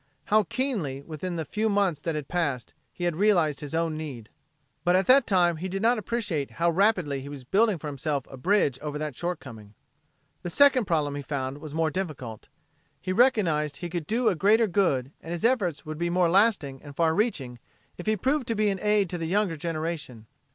How keenly, within the few months that had passed, had he realized his own need! But at that time he did not appreciate how rapidly he was building for himself a bridge over that shortcoming. The second problem he found more difficult. He recognized he could do a greater good and his efforts would be more lasting and far reaching if he proved to be an aid to the younger generation.